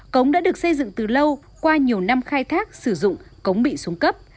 cống đã được xây dựng từ lâu qua nhiều năm khai thác sử dụng cống bị xuống cấp